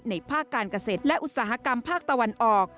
ภาคการเกษตรและอุตสาหกรรมภาคตะวันออก